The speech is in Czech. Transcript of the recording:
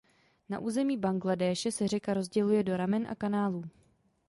Na území Bangladéše se řeka rozděluje do ramen a kanálů.